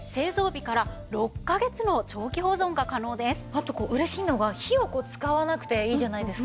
さらにあと嬉しいのが火を使わなくていいじゃないですか。